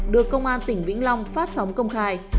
được công an tỉnh vĩnh long phát sóng công khai